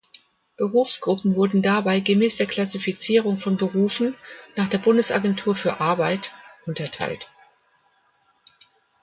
Berufsgruppen wurden dabei gemäß der Klassifizierung von Berufen nach der Bundesagentur für Arbeit unterteilt.